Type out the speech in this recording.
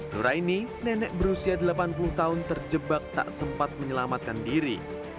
nuraini nenek berusia delapan puluh tahun terjebak tak sempat menyelamatkan diri